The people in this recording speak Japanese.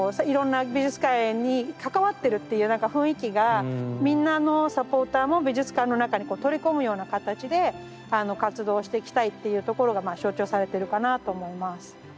いろんな美術館に関わってるっていう雰囲気がみんなあのサポーターも美術館の中にこう取り込むような形で活動していきたいっていうところがまあ象徴されてるかなと思います。